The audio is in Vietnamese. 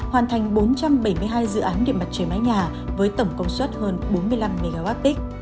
hoàn thành bốn trăm bảy mươi hai dự án điện mặt trời mái nhà với tổng công suất hơn bốn mươi năm mwp